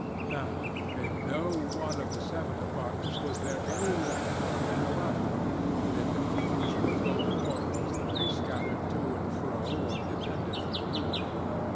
Now in no one of the seven apartments was there any lamp or candelabrum, amid the profusion of golden ornaments that lay scattered to and fro or depended from the roof.